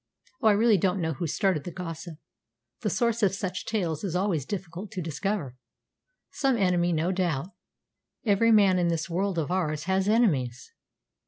"Oh, I really don't know who started the gossip. The source of such tales is always difficult to discover. Some enemy, no doubt. Every man in this world of ours has enemies."